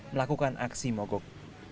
melakukan aksi mogok